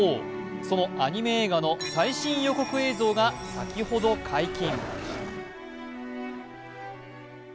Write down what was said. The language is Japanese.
そのアニメ映画の最新予告映像が先ほど解禁。